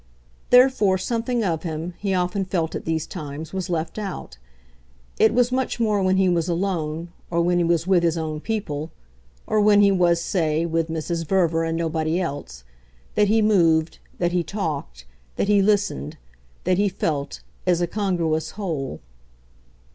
Therefore something of him, he often felt at these times, was left out; it was much more when he was alone, or when he was with his own people or when he was, say, with Mrs. Verver and nobody else that he moved, that he talked, that he listened, that he felt, as a congruous whole.